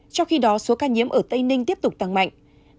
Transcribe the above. trong khi đó số ca nhiễm ở tây ninh tiếp tục tăng mạnh